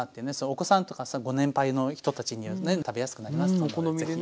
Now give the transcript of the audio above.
お子さんとかご年配の人たちに食べやすくなりますので是非。